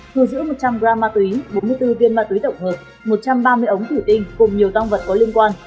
thu giữ một trăm linh gram ma túy bốn mươi bốn viên ma túy tổng hợp một trăm ba mươi ống thủy tinh cùng nhiều tăng vật có liên quan